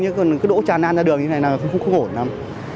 nhưng là cứ đỗ chả nan ra đường như thế này là không ổn lắm